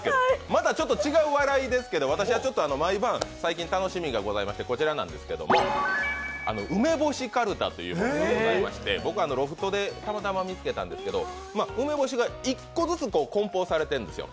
またちょっと違う笑いですけど、私は、毎晩最近楽しみがございましてウメボシカルタというものがございまして僕はロフトでたまたま見つけたんですけど、梅干しが１個ずつ梱包されてるんですよ。